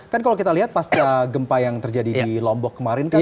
kan kalau kita lihat pasca gempa yang terjadi di lombok kemarin kan